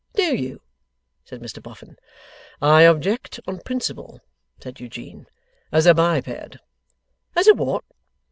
'Do you!' said Mr Boffin. 'I object on principle,' said Eugene, 'as a biped ' 'As a what?